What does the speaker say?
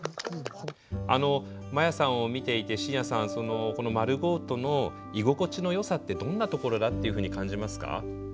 まやさんを見ていて晋哉さんこのｍａｒｕｇｏ−ｔｏの居心地のよさってどんなところだっていうふうに感じますか？